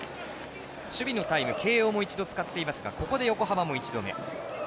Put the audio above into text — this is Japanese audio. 守備のタイム慶応も一度使っていますがここで横浜も１度目。